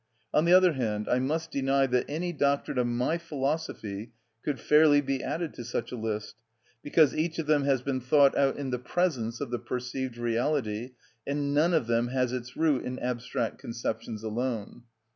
On the other hand, I must deny that any doctrine of my philosophy could fairly be added to such a list, because each of them has been thought out in the presence of the perceived reality, and none of them has its root in abstract conceptions alone.